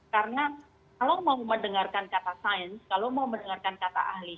karena kalau mau mendengarkan kata sains kalau mau mendengarkan kata ahli